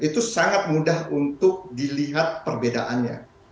itu sangat mudah untuk dilihat perbedaannya